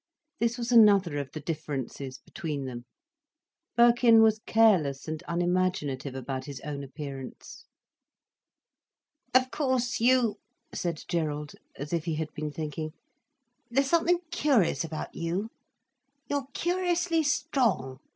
This was another of the differences between them. Birkin was careless and unimaginative about his own appearance. "Of course you," said Gerald, as if he had been thinking; "there's something curious about you. You're curiously strong.